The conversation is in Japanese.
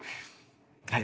はい。